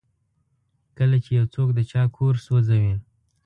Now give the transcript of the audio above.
کله چې یو څوک د چا کور سوځوي.